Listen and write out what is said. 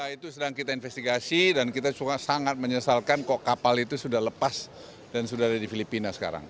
itu sedang kita investigasi dan kita sangat menyesalkan kok kapal itu sudah lepas dan sudah ada di filipina sekarang